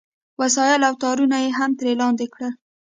وسایل او تارونه یې هم ترې لاندې کړل